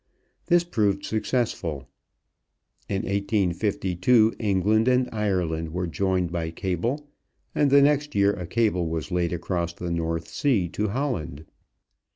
This proved successful. In 1852 England and Ireland were joined by cable, and the next year a cable was laid across the North Sea to Holland.